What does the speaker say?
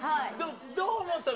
どう思ってたの？